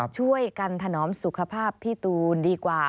ช่วยกันถนอมสุขภาพพี่ตูนดีกว่า